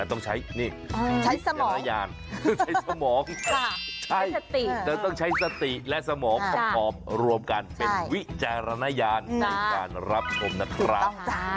ต้องใช้สมองใช้สติและสมองครอบรวมกันเป็นวิจารณญาณในการรับชมนะครับ